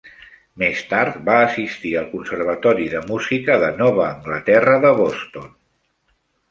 Més tard va assistir al Conservatori de Música de Nova Anglaterra de Boston.